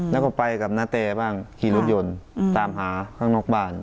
แล้วก็ไปกับนาแตบ้างขี่รถยนต์ตามหาข้างนอกบ้าน